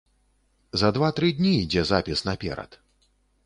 За два-тры дні ідзе запіс наперад.